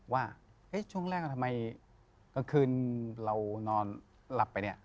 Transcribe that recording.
ว่าช่วงแรกทำไมกลางคืนเรานอนหลับไปเนี่ย